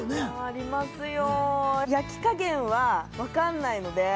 ありますよ